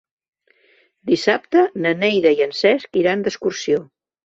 Dissabte na Neida i en Cesc iran d'excursió.